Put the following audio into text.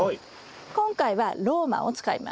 今回はローマンを使います。